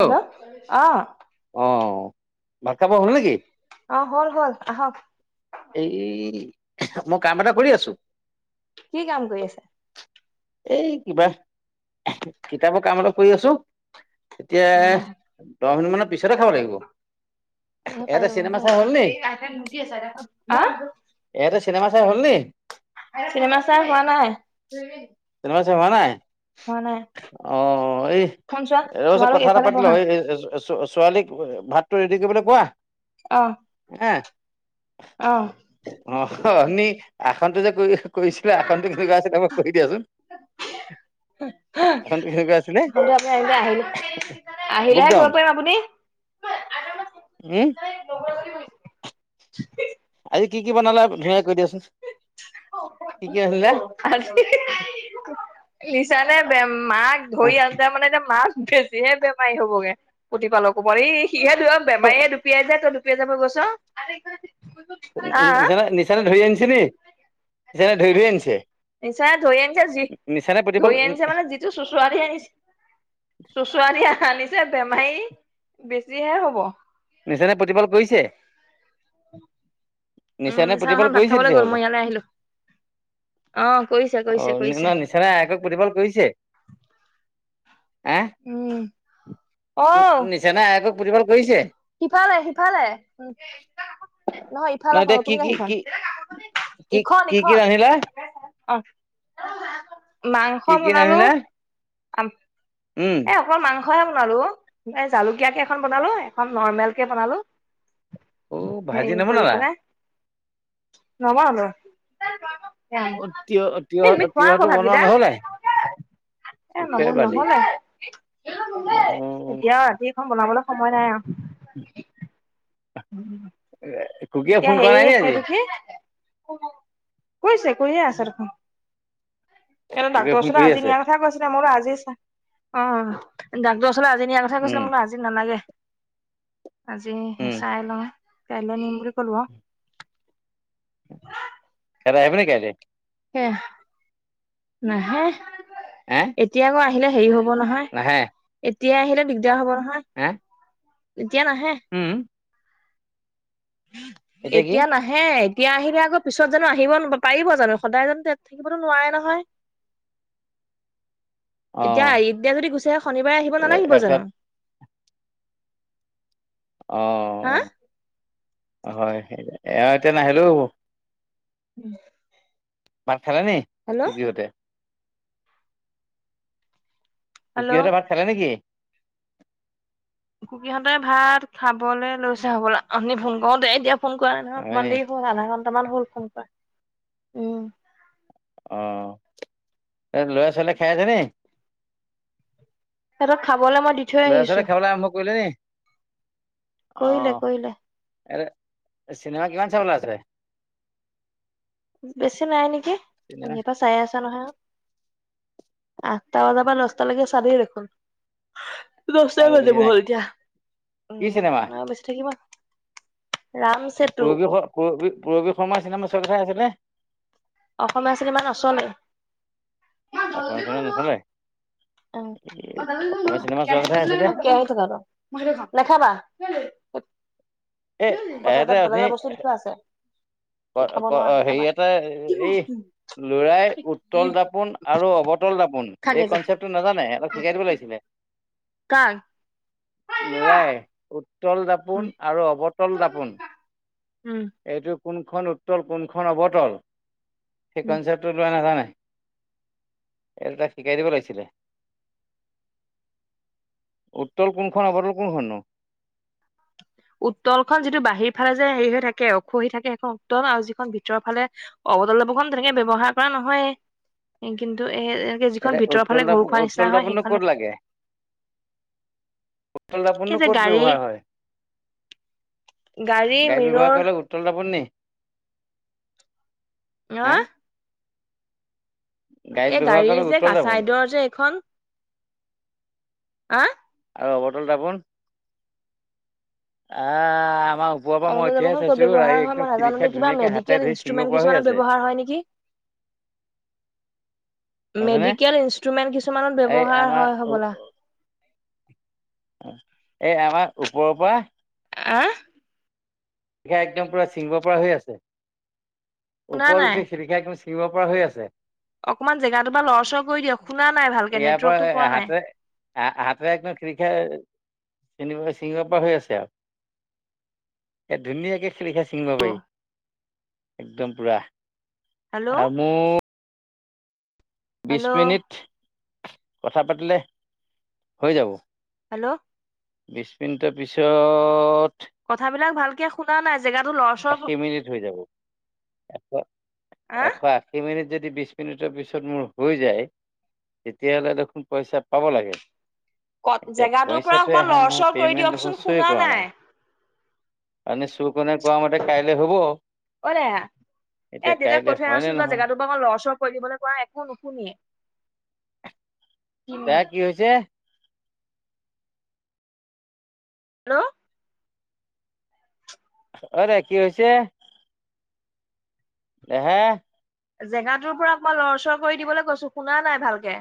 Hello অ? অ ভাত খাব হ'ল নেকি? অ হ'ল হ'ল আহক। এই মই কাম এটা কৰি আছো। কি কাম কৰি আছে? এই কিবা কিতাপৰ কাম অলপ কৰি আছোঁ এতিয়া অ হা দহ মিনিত মানৰ পিছতে খাব লাগিব। এটা চিনেমা চাই হ'ল নি? [unintelligible] ইয়াতে চিনেমা চাই হলনি? চিনেমা চাই হোৱা নাই। চিনেমা চাই হোৱা নাই? হোৱা নাই অ, এই ফোন চোৱা এওঁ ওচৰত তোমালোক কথা এটা এইফালে পাতি বহা লওঁ [unintelligible] ছো-ছোৱালীক ভাতটো ৰেডি কৰিবলৈ কোৱা। অ', [unintelligible] অ', অ, অথনি আসনটো যে কৰি -কৰিছিলে আসনটো কেনেকুৱা আছিলে মোক কৈ দিয়াচোন? আসনটো [unintelligible] কেনেকুৱা আছিলে? আপুনি আজি আহিলে বুক -আহিল-আহিলেহে ডাউন। কৰিব পাৰিম আপুনি। [inaudible] উম, আজি কি-কি বনালে ধুনীয়া কেই কৈ দিয়াচোন? কি কি ৰান্ধিলা? [unintelligible] ধৰি আনজা মানে এতিয়া মাছ বেছিহে বেমাৰী হ'বগে প্ৰতিুপালকো [unintelligible] সিহে দুয়ো বেমাৰীয়ে ডুপিয়াই যে তই ডুপিয়াই যাব গৈছ। আহ নিচানে- নিচানে ধৰি আনচে নি নিচানে ধৰি - ধৰি আনছে। নিচাই ধৰি আনিছে যি ধৰি আনিছে মানে যিটো চুচৰা দি আনিছে চোচৰা দি আনিছে বেমাৰী বেছিহে হ'ব। নিচানে প্ৰতিপাল কৰিছে? উম নিচানে মিছা প্ৰতিপাল নহয় ভাত কৰিছে খাবলৈ গ'ল তেতিয়াহলে মই [inaudible] ইয়ালৈ আহিলো অ কৰিছে অ, কৰিছে ন' কৰিছে নিচ নিচানে আয়েকক প্ৰতিপাল কৰিছে? এ উম অ নিচানে আয়কক প্ৰতিপাল কৰিছে? সিপালে- সিফালে নহয় ন ইফালৰ এতিয়া খন কি নতুন কি কাহি কি খন। কি ইখন- কি কি ইখন ৰান্ধিলা অ, মাংস কি কি বনালো ৰান্ধিলা আম উম, অকল মাংসহে বনালো অ, এ জালুক দিয়াকে এখন বনালোঁ, এখন নৰ্মেল কে বনালোঁ। অ সেই ভাজি কৰি নবনালা পেলাই নবনালোঁ। [unintelligible] অ তিয়হ এ তিয়হ তুমি খোৱা তিয়হটো আকৌ বনোৱা ভাতকেইটা। নহ'লে এ নব চুখেৰ বালি নহলে অ এতিয়াওঁ ৰাতি এখন বনাবলে সময় নাই আওঁ। হম, [unintelligible] এতিয়া কৰা নাই নি সেই- আজি সেইটো কি কৰিছে কৰি আছে দেখুন। এনে কুকিয়ে ডাক্তৰ ফোন ওচৰলে কৰি আজি আছে নিয়াৰ কথা কৈছিলে মোৰো আজি চা অ, ডাক্তৰ ওচৰলে আজি নিয়াৰ কথা উম কৈছিলে মোক আজি নালাগে আজি উম চাই লওঁ। কাইলে নিম বুলি কলো অ, সিঁহেতে আহিব নেকি আজি? এহ নাহে হে এতিয়া আকৌ আহিলে হেৰি হব নহয় নাহে? এতিয়া আহিলে দিগদাৰ হব নহয়। হে? এতিয়া নাহে। উম, এতিয়া নাহ হে এতিয়া আহিলে আকৌ পিছত জানো আহিব পাৰিব জানো সদায় জানো তেত থাকিবতো নোৱাৰে নহয়। [inaudible] এতিয়া অ', এতিয়া যদি গুচি আহে শনিবাৰে আহিব নালাগিব এখেত জানো? অ হা অ হয়, এওঁ এতিয়া নাহিলো হব। উম। ভাত খেলা নাই কুকিহতে? হেল্ল' কুকিহঁতে ভাত খালে নেকি? কুকীহঁতে ভাত খাবলৈ লৈছে হবলা, আপুনি ফোন কৰোঁতে এতিয়া ফোন কৰা নাই হয় নি? অকনমান দেৰি হ'ল হু আধা ঘন্টামান হ'ল ফোন কৰা উম। অ এ ল'ৰা - ছোৱালীয়ে খাই আছে নি? সিহঁতট খাবলৈ মই দি থৈ ল'ৰা আহিছো ছোৱালী খাবলে আৰম্ভ কৰিলে নি? কৰিলে অঁ কৰিলে ইয়াতে চিনেমা কিমান চাবলে আছে? বেছি নাই নেকি? চিনেমা সিহঁতে চাই আছে নহয়। আঠটা বজাৰ পৰা দছটালৈকে চাবি দেখোন। দছটা আৰু বেছি বাজিব নাই। হ'ল এতিয়া কি উম চিনেমা? বেচি থাকিব। ৰাম চেতু পুৰবি শ পুৰ পুৰবি শৰ্মা চিনেমা চোৱাৰ কথাই আছিলে? অসমীয়া চিনেমা নচলে। অসমীয়া চিনেমা নচলে? অ অসমীয়া চিনেমা চোৱাৰ কথাই আছিলে? [unintelligible] নেখাবা? এ কথা এহঁতে এটা বলে অথনি এটা বস্তু দি থোৱা আছে। ক এই খাব ক নোৱাৰা হেৰি নাখাবা এটা এই লৰাই উত্তল দাপোন আৰু অৱতল দাপোন থাকে এই যে কনচেপ্টটো নাজানে অলপ শিকাই দিব লাগিছিলে। কাক? লৰাই, উত্তল দাপোন উম আৰু অৱ তল দাপোন উম এইটো কোনখন উত্তল কোনখন অৱতল সেই উম, কনচেপটো তোৰ লৰাই নাজানে। এই তাক শিকাই দিব লাগিছিলে। উত্তল কোনখন অৱতল কোনখননো? উত্তলখন যিটো বাহিৰ ফালে যে হেৰি হৈ থাকে অখহি থাকে সেইখন উত্তল আৰু যিখন ভিতৰৰ ফালে অৱতল দাপোনখন তেনেকে ব্যৱহাৰ কৰা নহয় এ কিন্তু এ এ যিখন এতিয়া ভিতৰৰ উত্তল ফাল ঘূৰ দাপোন খোৱা উত্তল নিচিনা হয় দাপোননো ক'ত সেইখনে লাগে উতল এই দাপোননো যে ক'ত গাড়ী ব্যৱহাৰ হয়? গাড়ী ব্যৱহাৰ কৰিবলে উতল দাপোন নি? ন হা আ! গাড়ীত এ ব্যৱহাৰ গাড়ী কৰা যে উত্তল দাপোন কাছাইডৰ যে এখন হা? আৰু অবটল দাপোন? আ আমাৰ ৰাতিপুৱাৰ পৰা অৱতল মই উঠিয়াই জাবৰখন ক'ত চাইছোঁ ব্যৱহাৰ ৰাই হয় মই একদম নাজানো খিৰিকখাই দেই কিবা ধুনীয়াকৈ হাতে মেডিকেল ধৰি ছিঙিব ইনষ্ট্ৰুমেন্ট পৰা হৈ কিছুমানত আছে। [inaudible] ব্যৱহাৰ হয় নেকি বুজিছানে মেডিকেল ইনষ্ট্ৰুমেন্ট কিছুমানত এই ব্যৱহাৰ আমাৰ হয় হ'বলা। এই আমাৰ ওপৰৰ পৰা আহ! শিলিখা একদম পুৰা চিঙিব পৰা হৈ আছে, শুনা ওপৰত নাই উঠি শিলিখা এখিনি চিঙিব পৰা হৈ আছে। অকণমান জেগাটো বা লৰচৰ কৰি দিয়ক শুনা নাই ভালকে নেটৱৰ্কটো পোৱা নাই। হা হাতেৰে একদম শিলিখা চিঙিব‌ চিঙিব পৰা হৈ আছে আৰু। এ ধুনীয়াকে শিলিখা ছিঙিব পাৰি, একদম পুৰা। হেল্ল'? মো বিশ হেল্ল' মিনিট কথা পাতিলে হৈ যাব। হেল্ল'? বিছ মিনিটৰ পিছত কথাবিলাক ভালকে শুনা নাই জেগাতো ল'ৰ আশী মিনিট হৈ যাব। এশ হা এশ আ শি মিনিট যদি বিশ মিনিটৰ পিছত মোৰ হৈ যায়। তেতিয়াহ'লে দেখোন পইচা পাব লাগে। ক এতিয়া জেগাটোৰ পৰা পইচাটো অকমান আহে নাই লৰচৰ কৰি পেমেণ্ট দেখোন দিয়কচোন চয়ে শুনা কৰা নাই। অথনি চুৰকনে কোৱা মতে কাইলৈ হ'ব অ দেহা এ এতিয়া দেউতাক কৈ কাইলৈ থৈ আহাচোন হয়নে যোৱা নহয়? জেগাটোৰ অকমান ল'ৰ‌ ছৰ কৰি দিবলৈ কোৱা একো নুশুনিয়ে। তাৰ হেল্ল' কি হৈছে? হেল্ল'? অৰে কি হৈছে? এ হে জেগাটোৰ পৰা অকনমান লৰচৰ কৰি দিবলৈ কৈছো শুনা নাই ভালকে?